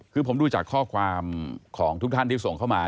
คือผมดูจากข้อความของทุกท่านที่ส่งเข้ามา